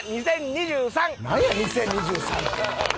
２０２３って。